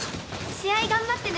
試合頑張ってね！